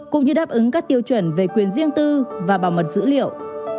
cũng như đáp ứng các tiêu chuẩn về quyền riêng tư và bảo mật dữ liệu